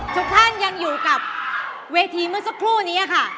ทุกท่านยังอยู่กับเวทีเมื่อสักครู่นี้ค่ะ